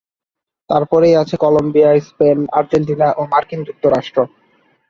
তারপরেই আছে Colombia, Spain, Argentina ও মার্কিন যুক্তরাষ্ট্র।